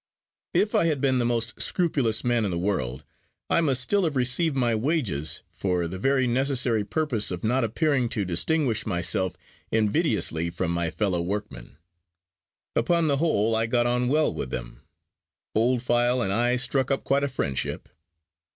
If I had been the most scrupulous man in the world, I must still have received my wages, for the very necessary purpose of not appearing to distinguish myself invidiously from my fellow workmen. Upon the whole, I got on well with them. Old File and I struck up quite a friendship.